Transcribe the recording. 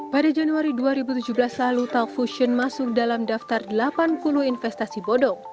pada januari dua ribu tujuh belas lalu talk fusion masuk dalam daftar delapan puluh investasi bodong